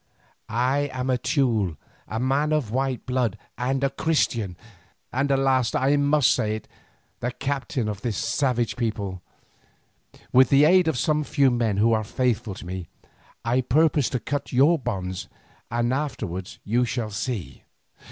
"I am Teule, a man of white blood and a Christian, and alas that I must say it, the captain of this savage people. With the aid of some few men who are faithful to me, I purpose to cut your bonds, and afterwards you shall see.